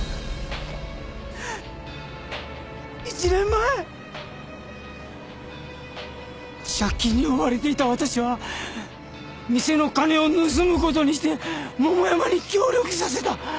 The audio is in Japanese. １年前借金に追われていた私は店の金を盗む事にして桃山に協力させた。